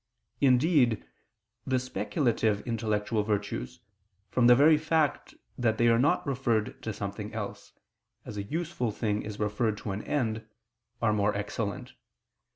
Indeed, the speculative intellectual virtues, from the very fact that they are not referred to something else, as a useful thing is referred to an end, are more excellent.